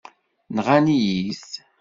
Nɣan-iyi-t.